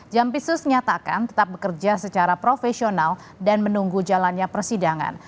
jampisus nyatakan tetap bekerja secara profesional dan menunggu jalannya persidangan